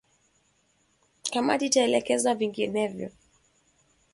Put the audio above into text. kama itaelekezwa vinginevyo